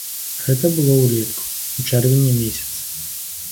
Гэта было ўлетку, у чэрвені месяцы.